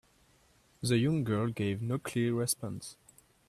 The young girl gave no clear response.